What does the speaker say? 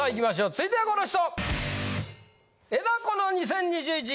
続いてはこの人。